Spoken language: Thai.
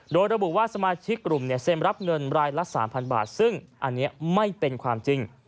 โดยระบุว่าสมาชิกกลุ่มเนี่ยเซ็นรับเงินรายละ๓๐๐บาทซึ่งอันนี้ไม่เป็นความจริง